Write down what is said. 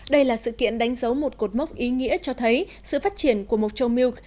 đây là sự kiện đánh dấu một cột mốc ý nghĩa cho thấy sự phát triển của mộc châu milk